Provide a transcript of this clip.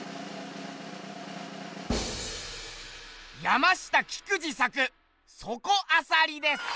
山下菊二作「そこあさり」です。